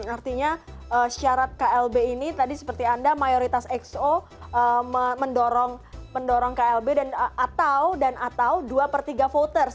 artinya syarat klb ini tadi seperti anda mayoritas exo mendorong klb dan atau dua per tiga voters